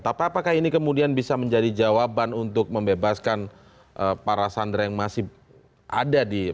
tapi apakah ini kemudian bisa menjadi jawaban untuk membebaskan para sandera yang masih ada di